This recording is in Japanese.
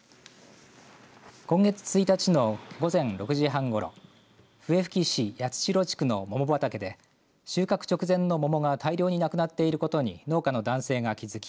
今月１日の午前６時半ごろ笛吹市八代地区の桃畑で収穫直前の桃が大量になくなっていることに農家の男性が気付き